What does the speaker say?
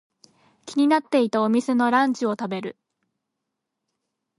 気になっていたお店のランチを食べる。